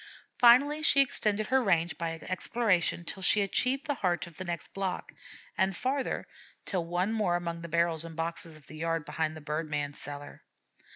Finally she extended her range by exploration till she achieved the heart of the next block, and farther, till once more among the barrels and boxes of the yard behind the bird man's cellar.